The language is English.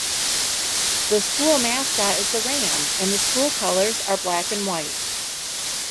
The school mascot is the ram, and the school colors are black and white.